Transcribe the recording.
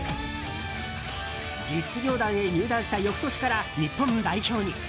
実業団へ入団した翌年から日本代表に。